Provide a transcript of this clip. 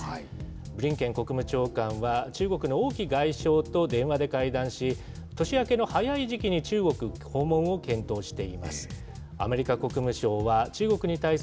ブリンケン国務長官は、中国の王毅外相と電話で会談し、年明けの早い時期に中国訪問を検討しています。